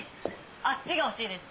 あっちが欲しいです！